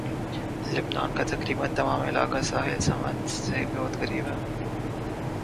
لبنان کا تقریباً تمام علاقہ ساحل سمندر سے بہت قریب ہے